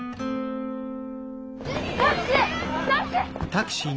タクシー！